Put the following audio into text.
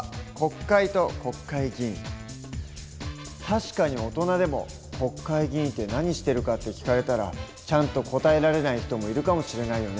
確かに大人でも国会議員って何してるかって聞かれたらちゃんと答えられない人もいるかもしれないよね。